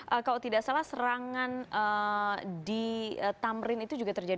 kalau tidak salah serangan di tamrin itu juga terjadi